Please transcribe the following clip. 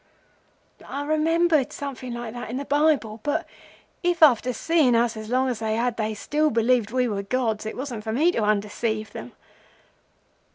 "I remembered something like that in the Bible; but if, after seeing us as long as they had, they still believed we were gods it wasn't for me to undeceive them.